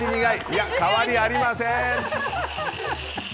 いや、変わりありません！